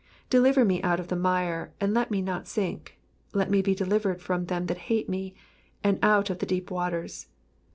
14 Deliver me out of the mire, and let me not sink : let me be delivered from them that hate me, and out of the deep waters.